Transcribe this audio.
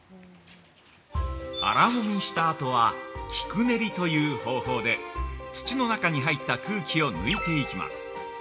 ◆「荒もみ」したあとは「菊練り」という方法で土の中に入った空気を抜いていきます。